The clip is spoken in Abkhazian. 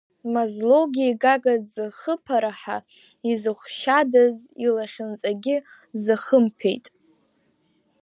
Мазлоугьы игага дзахыԥараҳа, изыхәшьадыз илахьынҵагьы дзахымԥеит.